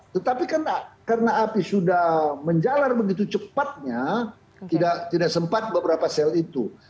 tetapi karena api sudah menjalar begitu cepatnya tidak sempat beberapa sel itu